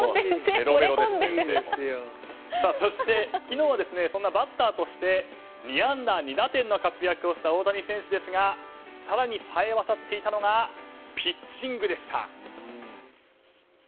そして、昨日はバッターとして２安打２打点の活躍をした大谷選手ですが更に冴えわたっていたのがピッチングでした。